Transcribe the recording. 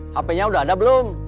hp nya sudah ada belum